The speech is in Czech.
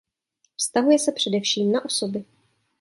Vztahuje se především na osoby.